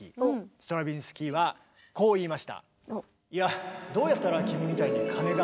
ストラヴィンスキーはこう言いました。